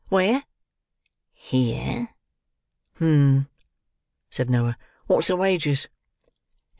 "Where?" "Here." "Um!" said Noah. "What's the wages?"